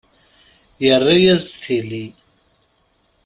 Yarra-as-d tili.